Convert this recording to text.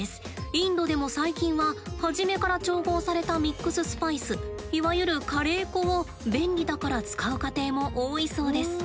インドでも最近は初めから調合されたミックススパイスいわゆるカレー粉を便利だから使う家庭も多いそうです。